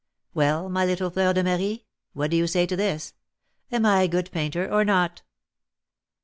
"Well, my little Fleur de Marie, what do you say to this? Am I a good painter, or not?"